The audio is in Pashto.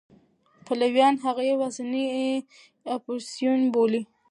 پلویان هغه یوازینی اپوزېسیون بولي.